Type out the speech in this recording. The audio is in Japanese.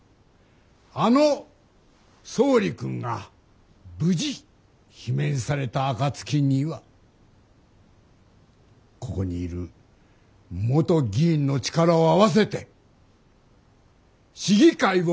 あの総理君が無事罷免された暁にはここにいる元議員の力を合わせて市議会を復活させましょう。